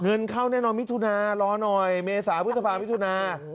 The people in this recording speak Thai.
เงินเข้าแน่นอนมิถุนารอหน่อยเมษาพฤษภามิถุนา